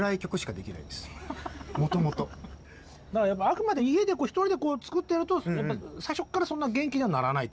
あくまで家で１人で作ってると最初からそんな元気にはならないってことなのね。